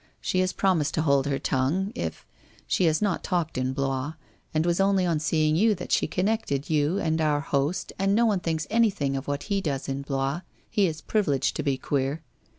She has promised to hold her tongue if — she has not talked in Blois, in was only on seeing you that she connected you and our host and no one thinks any thing of what he does in Blois, he is privileged to be queer.